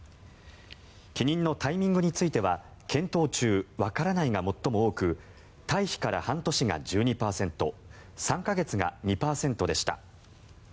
帰任のタイミングについては検討中・わからないが最も多く退避から半年が１２％３か月が２％でした。